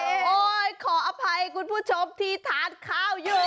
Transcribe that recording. ขออภัยคุณผู้ชมที่ทานข้าวอยู่